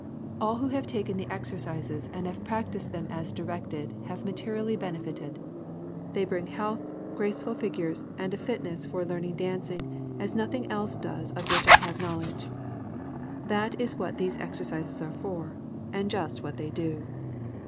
All who have taken the exercises and have practiced them as directed have materially benefited. They bring health, graceful figures and a fitness for learning dancing as nothing else does of which I have knowledge. That is what these exercises are for, and just what they do.